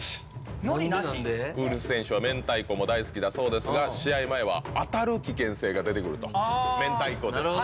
ウルフ選手はめんたいこも大好きだそうですが試合前はあたる危険性が出てくるとめんたいこですと。